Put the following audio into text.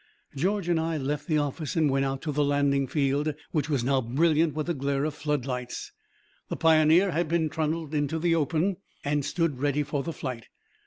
George and I left the office and went out to the landing field, which was now brilliant with the glare of floodlights. The Pioneer had been trundled into the open and stood ready for the flight.